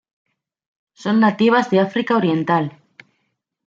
Son nativas de África oriental.